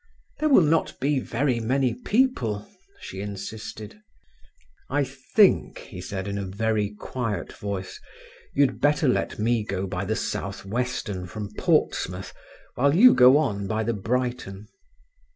"There will not be very many people," she insisted. "I think," he said, in a very quiet voice, "you'd better let me go by the South Western from Portsmouth while you go on by the Brighton."